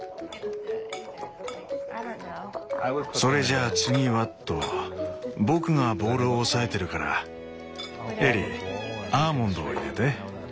それじゃあ次はと僕がボウルを押さえてるからエリーアーモンドを入れて。